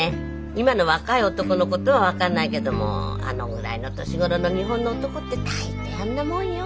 今の若い男のことは分かんないけどもあのぐらいの年頃の日本の男って大抵あんなもんよ。